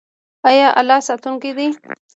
آیا الله ساتونکی دی؟